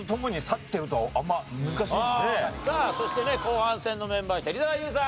さあそしてね後半戦のメンバー芹澤優さん。